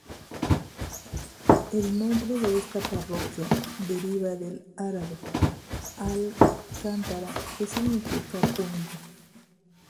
El nombre de esta parroquia deriva del árabe "al-qantara", que significa "puente".